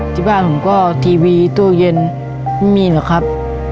ที่บ้านผมก็ทีวีตู้เย็นไม่มีหรอกครับ